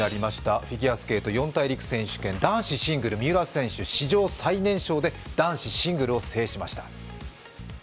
フィギュアスケート四大陸選手権、男子三浦選手、史上最年少で男子シングルを制しました。